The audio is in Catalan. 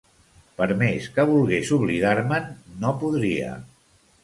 Per més que volgués oblidar-me'n, no podria.